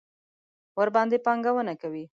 ورباندې پانګونه کوي.